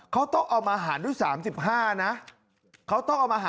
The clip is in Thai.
เขาต้องเอามาหารด้วย๓๕นะ